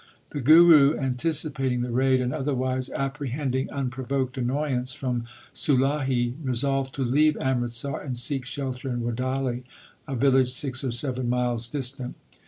The Guru, anticipating the raid and otherwise apprehending unprovoked annoyance from Sulahi, resolved to leave Amritsar and seek shelter in Wadali, a village six or seven miles distant.